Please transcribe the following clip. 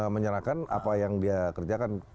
menyerahkan apa yang dia kerjakan